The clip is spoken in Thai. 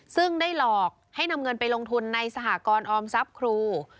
ซึ่งได้หลอกให้นำเงินไปลงทุนในสหกรออมทรัพย์ครู